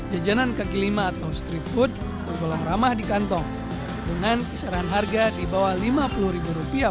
jajanan kaki lima atau street food tergolong ramah di kantong dengan kisaran harga di bawah lima puluh rupiah